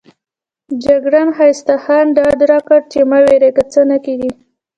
جګړن ښایسته خان ډاډ راکړ چې مه وېرېږئ څه نه کېږي.